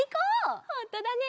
ほんとだね！